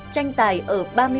trành tài ở ba mươi bảy môn